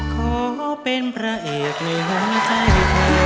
ขอเป็นพระเอกในหัวใจเธอ